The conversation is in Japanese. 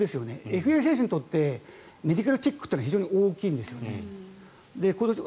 ＦＡ選手にとってメディカルチェックというのは非常に大きいんですよね。